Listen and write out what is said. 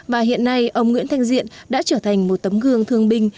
và hiện nay ông nguyễn thanh diện đã trở thành một tấm gương thương binh